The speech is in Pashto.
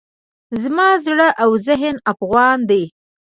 زما زړه او ذهن افغان دی.